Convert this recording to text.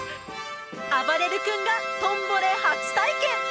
あばれる君が「トンボレ」初体験！